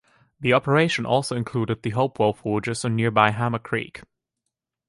The operation also included the Hopewell Forges on nearby Hammer Creek.